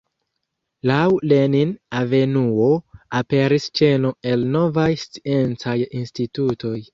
Laŭ Lenin-avenuo aperis ĉeno el novaj sciencaj institutoj.